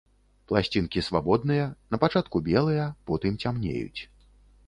Пласцінкі свабодныя, напачатку белыя, потым цямнеюць.